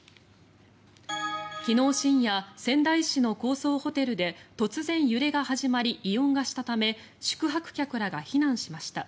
昨日深夜、仙台市の高層ホテルで突然、揺れが始まり異音がしたため宿泊客らが避難しました。